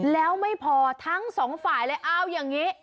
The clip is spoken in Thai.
แล้วไม่พอทั้งสองฝ่ายเลยเอาอย่างนี้